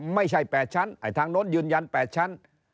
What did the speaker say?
ไม่ใช่๘ชั้นทางโน้นยืนยัน๘ชั้น